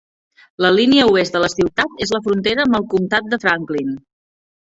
La línia oest de la ciutat és la frontera amb el comtat de Franklin.